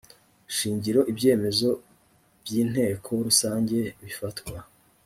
shingiro ibyemezo by inteko rusange bifatwa